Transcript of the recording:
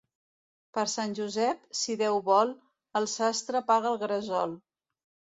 Per Sant Josep, si Déu vol, el sastre apaga el gresol.